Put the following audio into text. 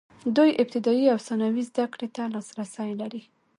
دوی ابتدايي او ثانوي زده کړې ته لاسرسی لري.